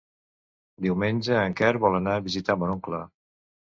Diumenge en Quer vol anar a visitar mon oncle.